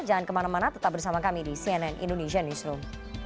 jangan kemana mana tetap bersama kami di cnn indonesia newsroom